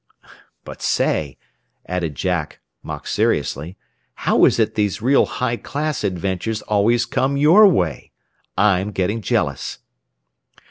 "But, say," added Jack mock seriously, "how is it these real high class adventures always come your way? I'm getting jealous."